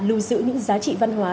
lưu giữ những giá trị văn hóa